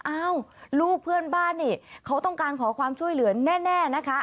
อ้าวลูกเพื่อนบ้านนี่เขาต้องการขอความช่วยเหลือแน่นะคะ